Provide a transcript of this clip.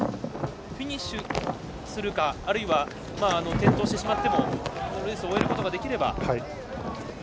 フィニッシュするかあるいは転倒してしまってもレースを終えることができれば。